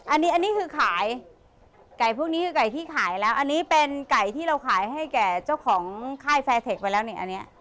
อันนี้อันนี้คือขายไก่พวกนี้คือไก่ที่ขายแล้วอันนี้เป็นไก่ที่เราขายให้แก่เจ้าของค่ายแฟร์เทคไปแล้วเนี่ยอันนี้